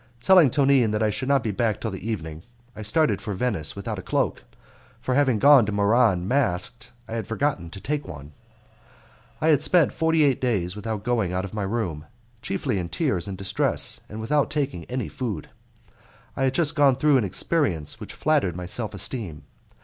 Telling Tonine that I should not be back till the evening, I started for Venice without a cloak, for having gone to Muran masked I had forgotten to take one. I had spent forty eight days without going out of my room, chiefly in tears and distress, and without taking any food. I had just gone through an experience which flattered my self esteem.